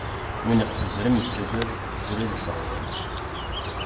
Win iqqes uzrem, ittagad ula d aseɣwen.